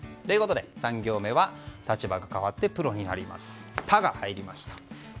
３行目は立場が変わってプロになりますの「タ」が入りました。